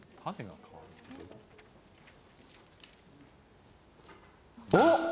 あっ！